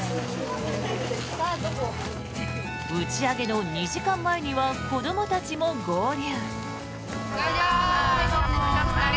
打ち上げの２時間前には子どもたちも合流。